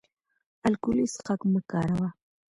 الکولي څښاک مه کاروه